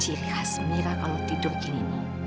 cili khas mira kalau tidur begini